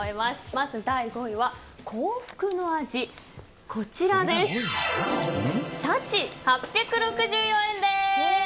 まず第５位は幸福の味幸、８６４円です。